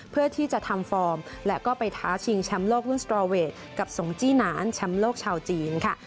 เพื่อที่จะทำฟอร์มและก็ไปท้าชิงแชมป์โลกรุ่นสตรอเวทกับสงจี้หนานแชมป์โลกชาวจีนค่ะ